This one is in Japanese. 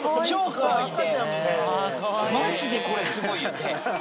マジでこれすごいよ！